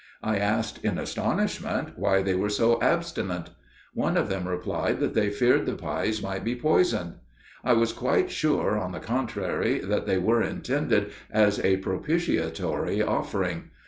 I asked, in astonishment, why they were so abstinent. One of them replied that they feared the pies might be poisoned. I was quite sure, on the contrary, that they were intended as a propitiatory offering.